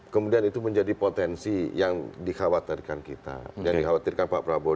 kemudian itu menjadi potensi yang dikhawatirkan kita dan dikhawatirkan pak prabowo